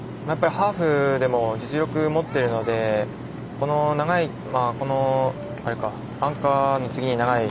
ハーフでも実力を持っているのでアンカーの次に長い